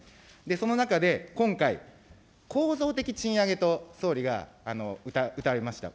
その中で今回、構造的賃上げと総理がうたわれました。